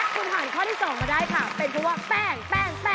คุณหั่นข้อที่๒มาได้